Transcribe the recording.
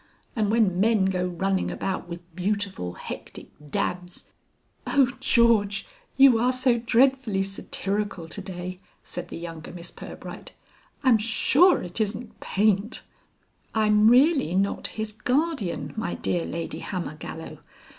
And when men go running about with beautiful hectic dabs " "Oh George! You are so dreadfully satirical to day," said the younger Miss Pirbright. "I'm sure it isn't paint." "I'm really not his guardian, my dear Lady Hammergallow.